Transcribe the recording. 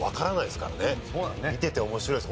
見てて面白いです。